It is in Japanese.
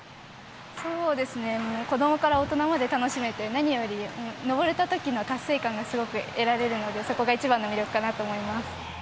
子どもから大人まで楽しめて何より登れたときの達成感がすごく得られるので、そこが一番の魅力かなと思います。